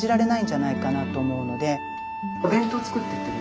お弁当作ってってる？